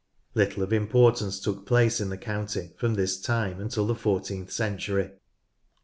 Little of importance took place in the county from this time until the fourteenth century.